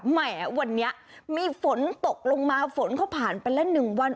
แหมวันนี้มีฝนตกลงมาฝนเขาผ่านไปละ๑วัน